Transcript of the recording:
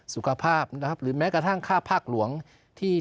สุขภาพหรือแม้กระทั่งค่าภาครวงสมภาษณ์